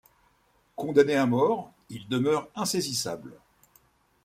Condamné à mort, il demeure insaisissable.